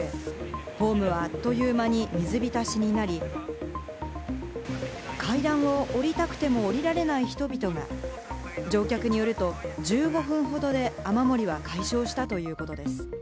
ホームはあっという間に水浸しになり、階段を下りたくても下りられない人々が、乗客によると、１５分ほどで雨漏りは解消したということです。